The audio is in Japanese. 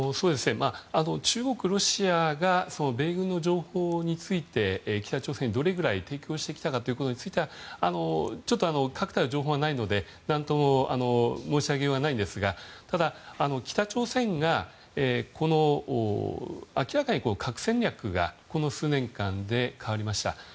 中国、ロシアが米軍の情報について北朝鮮にどれぐらい提供してきたかについてはちょっと確たる情報はないので何とも申し上げようがないんですがただ、北朝鮮が明らかに核戦略がこの数年間で変わりました。